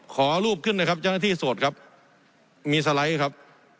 ขอรูปขึ้นนะครับเจ้าหน้าที่โสดครับมีสไลด์ครับ